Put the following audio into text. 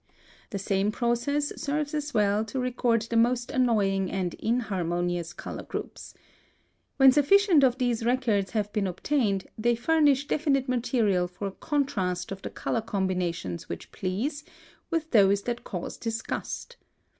The same process serves as well to record the most annoying and inharmonious color groups. When sufficient of these records have been obtained, they furnish definite material for a contrast of the color combinations which please, with those that cause disgust.